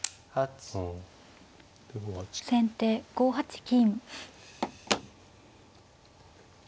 先手５八金。